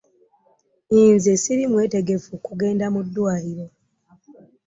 Nze siri mwetegeffu kugenda mu ddwaliiro.